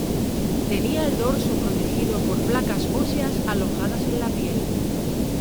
Tenía el dorso protegido por placas óseas alojadas en la piel.